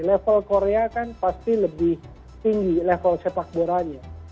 level korea kan pasti lebih tinggi level sepakboranya